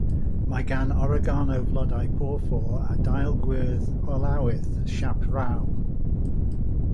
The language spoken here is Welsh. Mae gan oregano flodau porffor a dail gwyrdd olewydd, siâp rhaw.